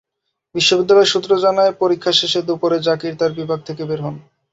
বিশ্ববিদ্যালয় সূত্র জানায়, পরীক্ষা শেষে দুপুরে জাকির তাঁর বিভাগ থেকে বের হন।